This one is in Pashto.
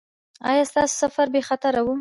ایا ستاسو سفر بې خطره و؟